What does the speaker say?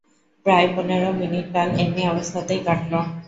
প্রায় পনেরো মিনিটকাল এমনি অবস্থাতেই কাটল।